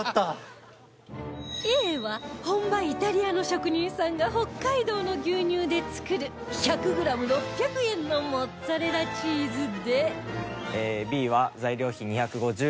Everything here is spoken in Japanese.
Ａ は本場イタリアの職人さんが北海道の牛乳で作る１００グラム６００円のモッツァレラチーズで